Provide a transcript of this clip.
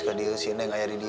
ke dia si neng ayari dia